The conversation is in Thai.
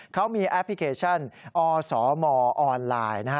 เขามีแอปพลิเคชันอสมออนไลน์นะฮะ